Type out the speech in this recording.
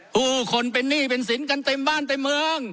ผู้คนเป็นหนี้เป็นสินกันเต็มบ้านเต็มเมือง